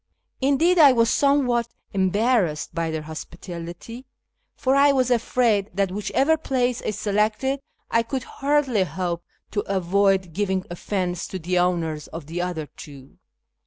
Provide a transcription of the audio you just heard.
Indeed I was somewhat embarrassed by their hospitality, for I was afraid that, whichever place I selected, I could hardly hope to avoid FROM YEZD TO KIRMAN 431 giving offence to the owners of the other two.